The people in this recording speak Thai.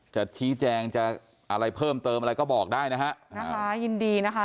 จะชี้แจงจะอะไรเพิ่มเติมอะไรก็บอกได้นะฮะยินดีนะคะ